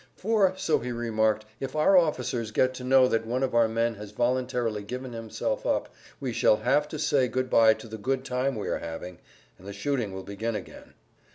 "For," so he remarked, "if our officers get to know that one of our men has voluntarily given himself up we shall have to say good by to the good time we are having, and the shooting will begin again."